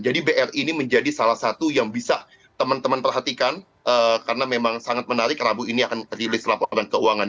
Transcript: bri ini menjadi salah satu yang bisa teman teman perhatikan karena memang sangat menarik rabu ini akan rilis laporan keuangan